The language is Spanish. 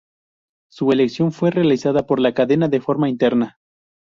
Su elección fue realizada por la cadena de forma interna.